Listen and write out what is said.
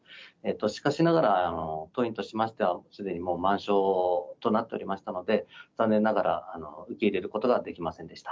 しかしながら当院としましては、すでにもう満床となっておりましたので、残念ながら受け入れることができませんでした。